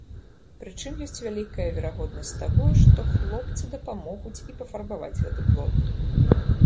Прычым ёсць вялікая верагоднасць таго, што хлопцы дапамогуць і пафарбаваць гэты плот.